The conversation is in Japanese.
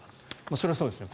それはそうですよね。